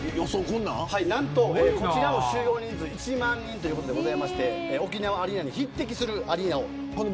こちらも収容人数１万人ということで沖縄アリーナに匹敵するアリーナを。